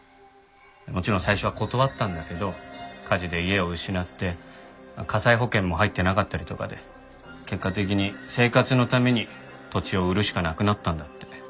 もちろん最初は断ったんだけど火事で家を失って火災保険も入ってなかったりとかで結果的に生活のために土地を売るしかなくなったんだって。